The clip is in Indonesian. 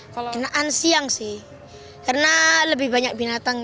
kenaan siang sih karena lebih banyak binatang